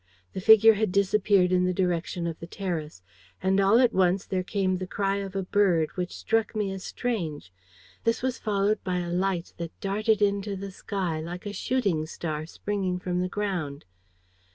The figure had disappeared in the direction of the terrace. And all at once there came the cry of a bird, which struck me as strange. This was followed by a light that darted into the sky, like a shooting star springing from the ground.